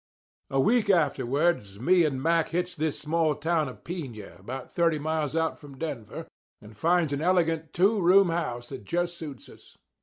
A week afterwards me and Mack hits this small town of Piña, about thirty miles out from Denver, and finds an elegant two room house that just suits us.